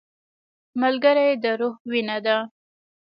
ملګری د روح وینه ده